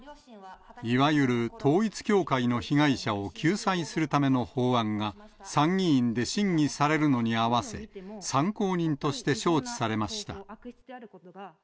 いわゆる統一教会の被害者を救済するための法案が参議院で審議されるのに合わせ、参考人として招致されました。